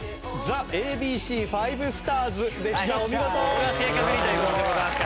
これは正確にという事でございました。